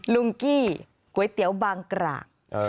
ลุงกี้ก๋วยเตี๋ยวบางกราก